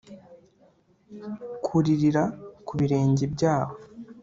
Kuririra ku birenge byabo